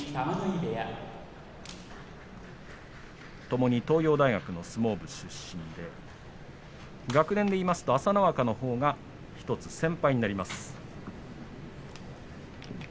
ともに東洋大学の相撲部出身で学年で言いますと朝乃若のほうが１つ先輩になります。